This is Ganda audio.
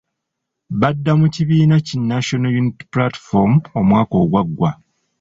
Badda mu kibiina ki National Unity Platform omwaka ogwagwa.